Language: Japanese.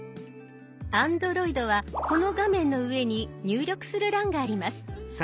Ａｎｄｒｏｉｄはこの画面の上に入力する欄があります。